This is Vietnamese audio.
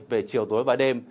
về chiều tối và đêm